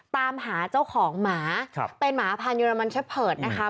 ตามหาเจ้าของหมาเป็นหมาพันธุรมันเชฟเพิร์ตนะคะ